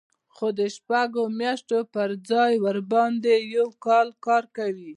خو د شپږو میاشتو پر ځای ورباندې یو کال کار کوي